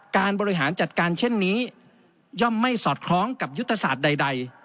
การบริหารจัดการเช่นนี้ย่อมไม่สอดคล้องกับยุทธศาสตร์ใด